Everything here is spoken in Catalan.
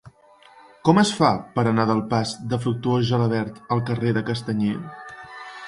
Com es fa per anar del pas de Fructuós Gelabert al carrer de Castanyer?